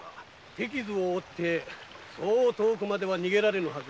手傷を負ってそう遠くまでは逃げられぬはず。